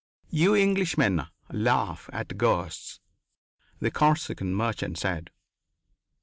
"You Englishmen laugh at ghosts," the Corsican merchant said.